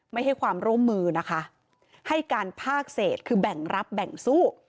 ไม่ให้ความร่วมมือนะคะให้การภาคเศษคือแบ่งรับแบ่งสู้